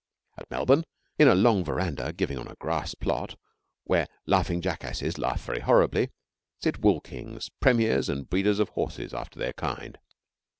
At Melbourne, in a long verandah giving on a grass plot, where laughing jackasses laugh very horribly, sit wool kings, premiers, and breeders of horses after their kind.